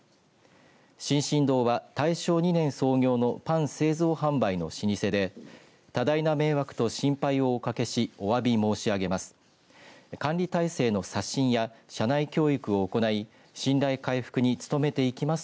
進々堂は大正２年創業のパン製造販売の老舗で多大な迷惑と心配をおかけしおわび申し上げます。